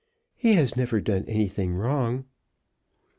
He has never done anything wrong."